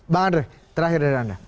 bang andre terakhir dari anda